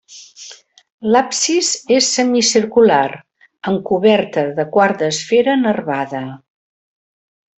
L'absis és semicircular amb coberta de quart d'esfera nervada.